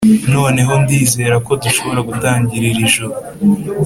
noneho, ndizera ko dushobora gutangira iri joro,